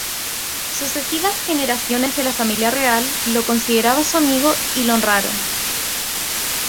Sucesivas generaciones de la familia real lo consideraba su amigo y le honraron.